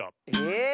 え。